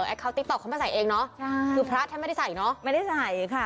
เขาติ๊กต๊อเขามาใส่เองเนอะใช่คือพระท่านไม่ได้ใส่เนอะไม่ได้ใส่ค่ะ